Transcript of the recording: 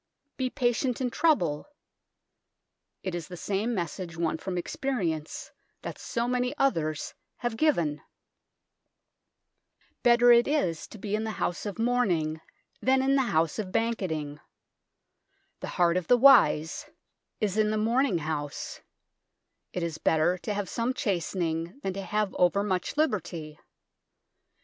" Be patient in trouble " it is the same message, won from experience, that so many others have given : Better it is to be in the howse of mornyng than in the howse of banketing : the harte of the wyse is THE BEAUCHAMP TOWER 115 in the mornyng howse : it is better to have some chastening than to have over moche liberte.